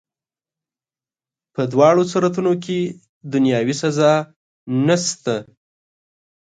په دواړو صورتونو کي دنیاوي سزا نسته.